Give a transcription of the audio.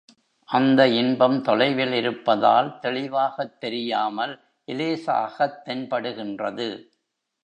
அந்த இன்பம் தொலைவிலிருப்பதால், தெளிவாகத் தெரியாமல், இலேசாகத் தென்படுகின்றது.